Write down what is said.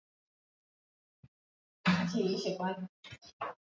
vinavyahitajika katika kupika viazi lishe